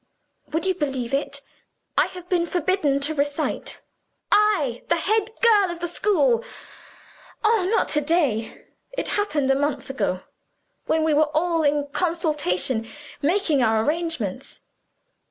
"Would you believe it? I have been forbidden to recite I, the head girl of the school. Oh, not to day! It happened a month ago when we were all in consultation, making our arrangements.